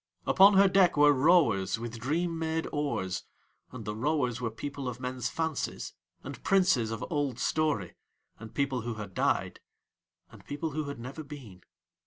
Upon her deck were rowers with dream made oars, and the rowers were the people of men's fancies, and princes of old story and people who had died, and people who had never been.